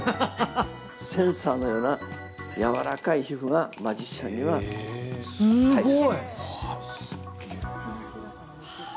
センサーのようなやわらかい皮膚がマジシャンには大切なんです。